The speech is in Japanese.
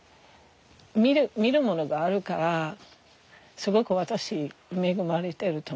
見るものがあるからすごく私恵まれてると思う。